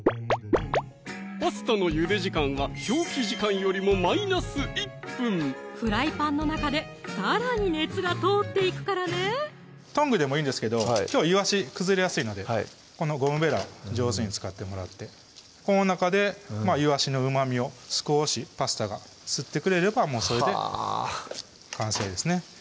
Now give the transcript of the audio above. パスタのゆで時間は表記時間よりもマイナス１分フライパンの中でさらに熱が通っていくからねトングでもいいんですけどきょうはいわし崩れやすいのでこのゴムベラ上手に使ってもらってこの中でいわしのうまみを少しパスタが吸ってくれればそれで完成ですね